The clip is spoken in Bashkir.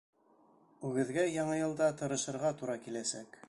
Үгеҙгә яңы йылда тырышырға тура киләсәк.